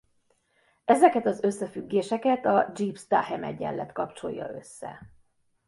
Ezeket az összefüggéseket a Gibbs–Duhem-egyenlet kapcsolja össze.